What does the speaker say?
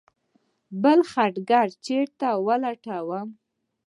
بل خټګر چېرې ولټومه.